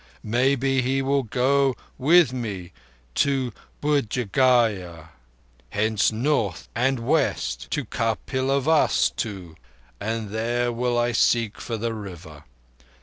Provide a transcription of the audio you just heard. Maybe he will go with me to Buddh Gaya. Thence north and west to Kapilavastu, and there will I seek for the River.